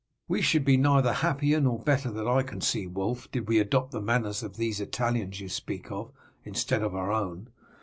"We should be neither happier nor better that I can see, Wulf, did we adopt the manners of these Italians you speak of instead of our own."